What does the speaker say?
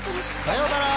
さようなら。